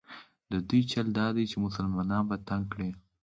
د دوی چل دا دی چې مسلمانان په تنګ کړي.